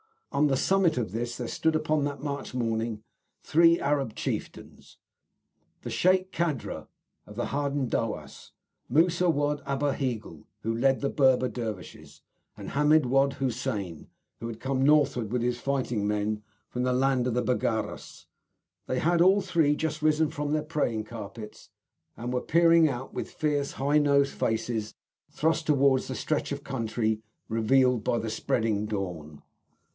On the summit of this there stood upon that March morning three Arab chieftains the Sheik Kadra of the Hadendowas, Moussa Wad Aburhegel, who led the Berber dervishes, and Hamid Wad Hussein, who had come northward with his fighting men from the land of the Baggaras. They had all three just risen from their praying carpets, and were peering out, with fierce, high nosed faces thrust forwards, at the stretch of country revealed by the spreading dawn.